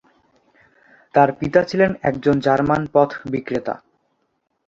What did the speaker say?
তার পিতা ছিলেন একজন জার্মান পথ বিক্রেতা।